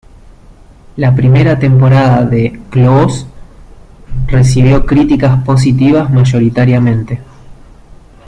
La primera temporada de "Claws" recibió críticas positivas mayoritariamente.